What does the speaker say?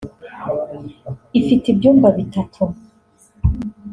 ifite ibyumba bitatu